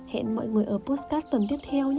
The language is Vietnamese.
hẹn mọi người ở postcard tuần tiếp theo nhé